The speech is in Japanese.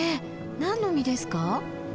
何の実ですか？